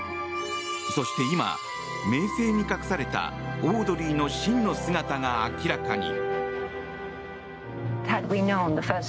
そして今、名声に隠されたオードリーの真の姿が明らかに。